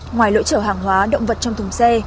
ngoài lỗi chở hàng hóa động vật trong thùng xe